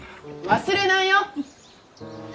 忘れないよ！